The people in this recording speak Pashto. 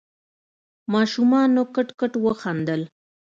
ماشومانو کټ کټ وخندل.